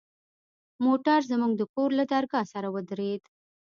موټر زموږ د کور له درگاه سره ودرېد.